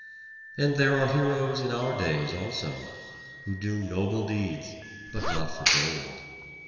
And there are heroes in our days also, who do noble deeds, but not for gold.